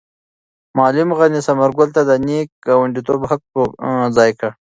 معلم غني ثمر ګل ته د نېک ګاونډیتوب حق په ځای کړ.